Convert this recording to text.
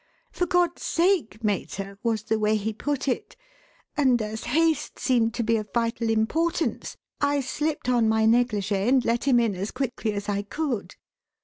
'For God's sake, mater!' was the way he put it, and as haste seemed to be of vital importance, I slipped on my negligée and let him in as quickly as I could.